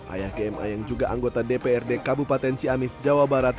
ayah gma yang juga anggota dprd kabupaten ciamis jawa barat